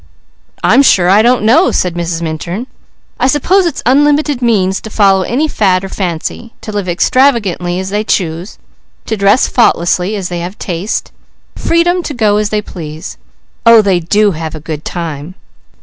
"I am sure I don't know!" said Mrs. Minturn. "I suppose it's unlimited means to follow any fad or fancy, to live extravagantly as they choose, to dress faultlessly as they have taste, freedom to go as they please! Oh they do have a good time!"